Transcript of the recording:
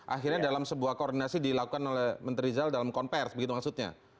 akhirnya dalam sebuah koordinasi dilakukan oleh menteri rizal dalam konvers begitu maksudnya